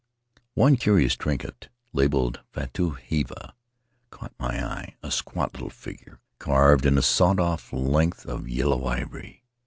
One curious trinket — labeled "Fatu Hiva" — caught my eye; a squat little figure carved in a sawn off length of yellow ivory.